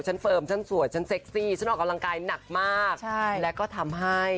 เฟิร์มฉันสวยฉันเซ็กซี่ฉันออกกำลังกายหนักมากแล้วก็ทำให้